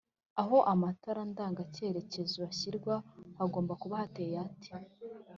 aho amatara ndanga cyerekezo ashyirwa hagomba kuba hateye hate